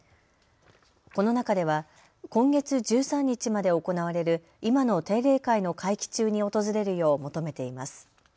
この中では今月１３日まで行われる今の定例会の会期中に訪れるよう求めています。